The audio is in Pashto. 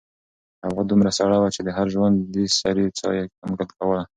هوا دومره سړه وه چې د هر ژوندي سري ساه یې کنګل کوله.